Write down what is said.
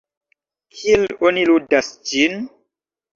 Kiel oni ludas ĝin?